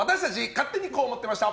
勝手にこう思ってました！